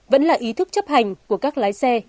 vẫn là ý thức chấp hành của các lái xe